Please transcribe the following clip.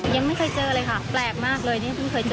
ยังไม่เคยเจอเลยค่ะแปลกมากเลยนี่เพิ่งเคยเจอ